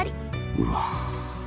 うわ！